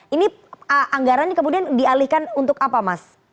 ini anggarannya kemudian dialihkan untuk apa mas